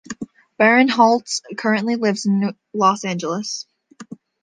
Barinholtz currently lives in Los Angeles.